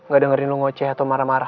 gak dengerin lu ngoceh atau marah marah